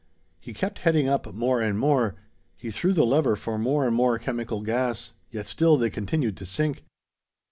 He kept heading up more and more; he threw the lever for more and more chemical gas; yet still they continued to sink.